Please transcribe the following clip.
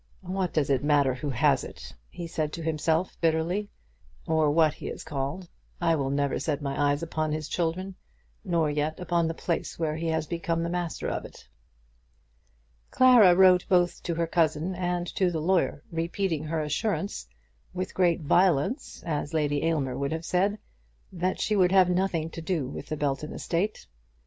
"What does it matter who has it," he said to himself bitterly, "or what he is called? I will never set my eyes upon his children, nor yet upon the place when he has become the master of it." Clara wrote both to her cousin and to the lawyer, repeating her assurance, with great violence, as Lady Aylmer would have said, that she would have nothing to do with the Belton estate.